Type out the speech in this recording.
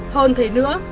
hơn thế nữa